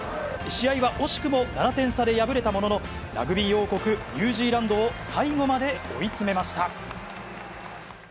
試合は惜しくも７点差で敗れたものの、ラグビー王国、ニュージーランドを最後まで追い詰めました。